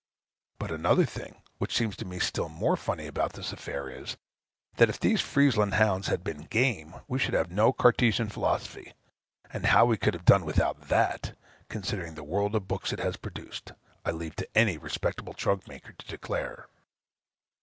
But another thing, which seems to me still more funny about this affair is, that if these Friezland hounds had been "game," we should have no Cartesian philosophy; and how we could have done without that, considering the worlds of books it has produced, I leave to any respectable trunk maker to declare.